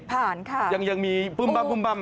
ฝ่านค่ะยังมี๙๕๖มั้ย